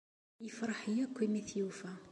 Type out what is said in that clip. Ifṛeḥ yakk imi i t-yufa.